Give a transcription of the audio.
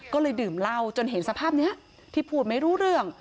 ก็เลยดื่มเหล้าจนเห็นสภาพนี้ที่พูดไม่รู้เรื่อง